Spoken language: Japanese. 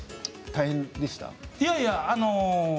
大変でした？